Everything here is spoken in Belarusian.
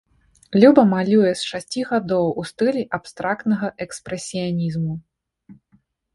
Люба малюе з шасці гадоў у стылі абстрактнага экспрэсіянізму.